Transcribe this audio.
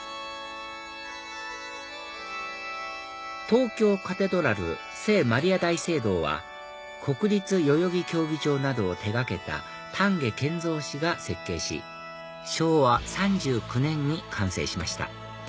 東京カテドラル聖マリア大聖堂は国立代々木競技場などを手掛けた丹下健三が設計し昭和３９年に完成しました